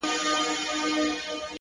• زه به مي ولي لا توبه پر شونډو ګرځومه ,